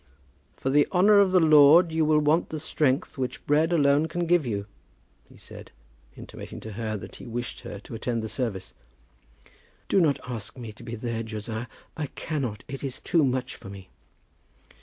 "For the honour of the Lord you will want the strength which bread alone can give you," he said, intimating to her that he wished her to attend the service. "Do not ask me to be there, Josiah. I cannot. It is too much for me."